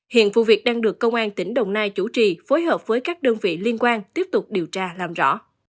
hiện vụ việc đang được công an tỉnh đồng nai chủ trì phối hợp với các đơn vị liên quan tiếp tục điều tra làm rõ